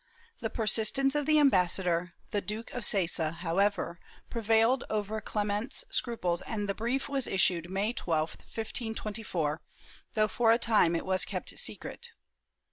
* The persistence of the ambassador, the Duke of Sesa, however pre vailed over Clement's scruples and the brief was issued. May 12, 1524, though for a time it was kept secret.